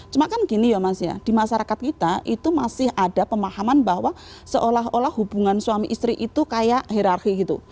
cuma kan gini ya mas ya di masyarakat kita itu masih ada pemahaman bahwa seolah olah hubungan suami istri itu kayak hirarki gitu